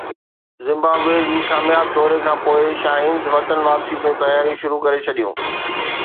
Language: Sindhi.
زمبابوي جي ڪامياب دوري کانپوءِ شاهينز وطن واپسي جون تياريون شروع ڪري ڇڏيون